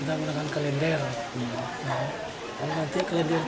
tara tak carts not